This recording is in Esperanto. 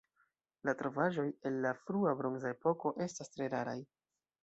La trovaĵoj el la frua bronza epoko estas tre raraj.